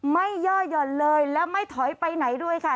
ย่อหย่อนเลยแล้วไม่ถอยไปไหนด้วยค่ะ